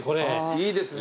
いいですね。